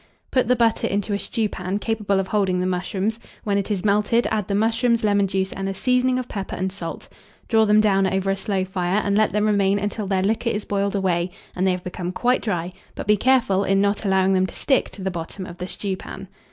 Put the butter into a stewpan capable of holding the mushrooms; when it is melted, add the mushrooms, lemon juice, and a seasoning of pepper and salt; draw them down over a slow fire, and let them remain until their liquor is boiled away, and they have become quite dry, but be careful in not allowing them to stick to the bottom of the stewpan.